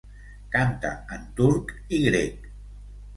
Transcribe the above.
Canta en turc i grec.